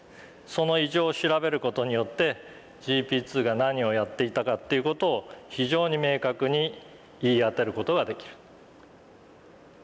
その異常を調べる事によってＧＰ２が何をやっていたかっていう事を非常に明確に言い当てる事ができる。